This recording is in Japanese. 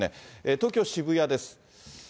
東京・渋谷です。